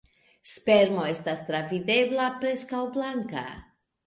Spermo estas travidebla, preskaŭ blanka.